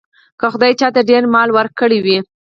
که خدای چاته ډېر مال ورکړی وي.